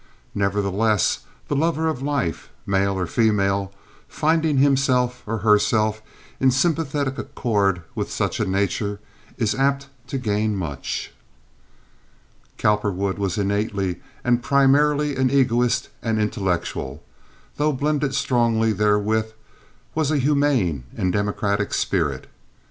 Nevertheless, the lover of life, male or female, finding himself or herself in sympathetic accord with such a nature, is apt to gain much. Cowperwood was innately and primarily an egoist and intellectual, though blended strongly therewith, was a humane and democratic spirit.